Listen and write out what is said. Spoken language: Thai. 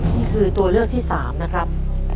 นี่คือตัวเลือกที่๓นะครับ